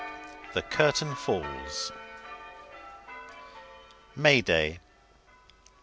THE CURTAIN FALLS May day.